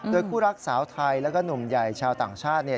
โดยคู่รักสาวไทยแล้วก็หนุ่มใหญ่ชาวต่างชาติ